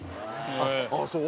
ああそう？